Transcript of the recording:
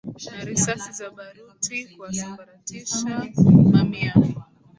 na risasi za baruti kuwasambaratisha mamia